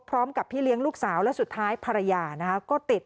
พร้อมกับพี่เลี้ยงลูกสาวแล้วสุดท้ายภรรยาก็ติด